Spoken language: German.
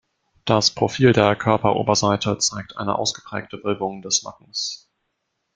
Das Profil der Körperoberseite zeigt eine ausgeprägte Wölbung des Nackens.